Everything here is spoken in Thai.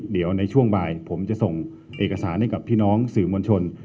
เดี๋ยวในช่วงบ่ายผมจะส่งเอกสารให้กับพี่น้องสื่อมวลชน